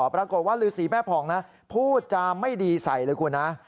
ปรากฏว่าฤษีแม่ผ่องนะพูดจาไม่ดีใส่เลยคุณนะ